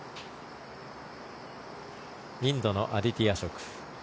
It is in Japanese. インドのアディティ・アショク。